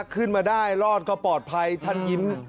ขึ้นมาได้รอดก็ปลอดภัยท่านยิ้ม